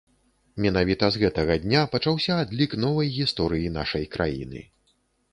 Менавіта з гэтага дня пачаўся адлік новай гісторыі нашай краіны.